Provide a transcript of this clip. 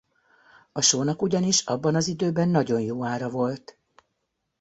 A sónak ugyanis abban az időben nagyon jó ára volt.